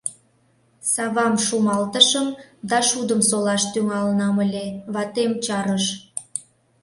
Савам шумалтышым да шудым солаш тӱҥалынам ыле, ватем чарыш.